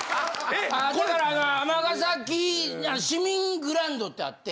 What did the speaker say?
あだから尼崎市民グラウンドってあって。